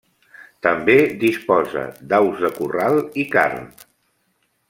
També disposa d'aus de corral i carn.